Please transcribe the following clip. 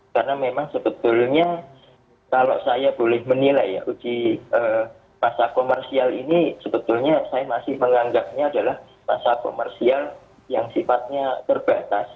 karena memang sebetulnya kalau saya boleh menilai ya uji masa komersial ini sebetulnya saya masih menganggapnya adalah masa komersial yang sifatnya terbatas